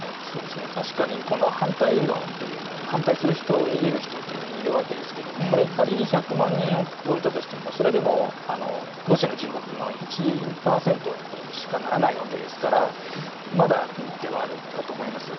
確かにこの反対論という反対する人というのがいるわけですけれどもこれは仮に１００万人を超えたとしてもそれでもロシアの人口の１％にしかならないわけですからまだではあるかと思います。